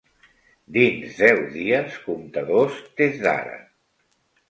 Dins deu dies comptadors des d'ara.